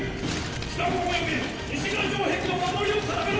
北門および西側城壁の守りを固めろ！